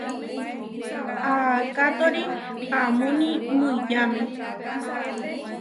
Aakátori paamúni muiyáme.